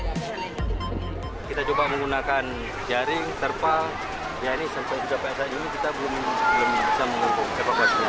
kita coba menggunakan jaring terpal ya ini sampai saat ini kita belum bisa mengumpuk evakuasinya